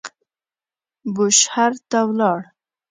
بوشهر ته ولاړ.